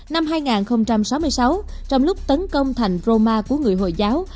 năm hai nghìn sáu mươi sáu trong lúc tấn công thành roma của người hồi giáo